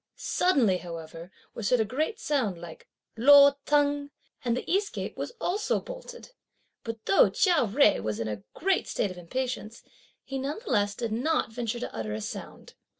Suddenly, however, was heard a sound like "lo teng," and the east gate was also bolted; but though Chia Jui was in a great state of impatience, he none the less did not venture to utter a sound.